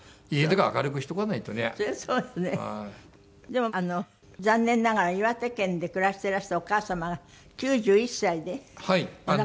でも残念ながら岩手県で暮らしてらしたお母様が９１歳でお亡くなりになったの？